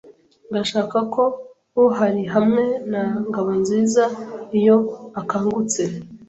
Ndashaka ko uhari hamwe na Ngabonzizaiyo akangutse.